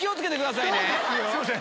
すいません。